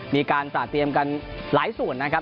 มีการตราเตรียมกันหลายส่วนนะครับ